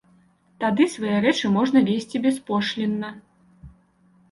Тады свае рэчы можна везці беспошлінна.